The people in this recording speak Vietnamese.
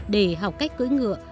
để học cách cưỡi ngựa